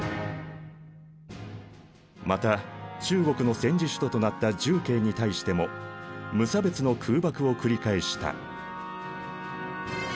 また中国の戦時首都となった重慶に対しても無差別の空爆を繰り返した。